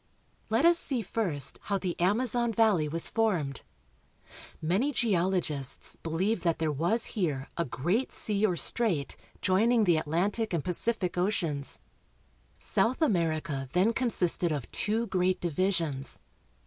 Let us see first how the Amazon valley was formed. Many geologists believe that there was here a great sea or strait joining the Atlantic and Pacific oceans. South America then consisted of two great divisions.